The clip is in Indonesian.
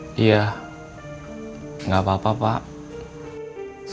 bapak akan langsung pulang ke ciraus